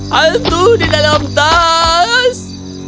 hantu di dalam tas